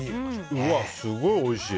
うわ、すごいおいしい。